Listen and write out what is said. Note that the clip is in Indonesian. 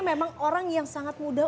memang orang yang sangat muda